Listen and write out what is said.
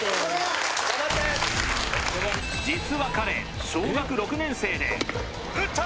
実は彼小学６年生で打った！